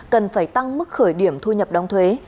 cần phải tăng mức khởi điểm thu nhập đóng thuế